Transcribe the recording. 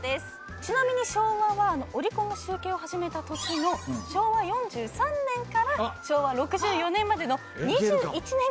ちなみに昭和はオリコンが集計を始めた年の昭和４３年から昭和６４年までの２１年間を集計。